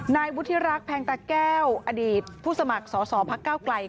นายวุฒิรักษ์แพงตะแก้วอดีตผู้สมัครสอสอพักเก้าไกล